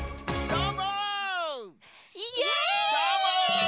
どーも！